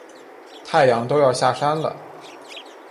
太阳都要下山了